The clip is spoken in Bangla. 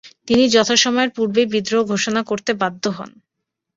তিনি যথাসময়ের পূর্বেই বিদ্রোহ ঘোষণা করতে বাধ্য হন।